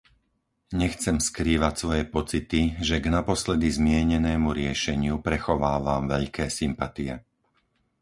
Nechcem skrývať svoje pocity, že k naposledy zmienenému riešeniu prechovávam veľké sympatie.